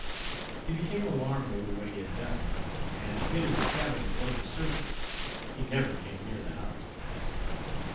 He became alarmed over what he had done, and hid in the cabin of one of the servants. He never came near the house.